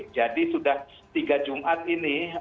jadi sudah tiga jumat ini